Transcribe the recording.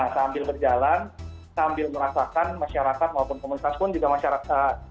sambil berjalan sambil merasakan masyarakat maupun komunitas pun juga masyarakat